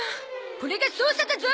これが捜査だゾ！